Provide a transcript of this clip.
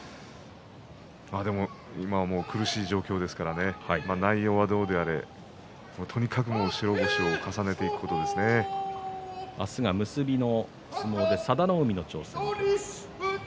でも今は、もう苦しい状況ですから内容はどうであれとにかく白星を重ねていくこと明日は結びで佐田の海の挑戦を受けます。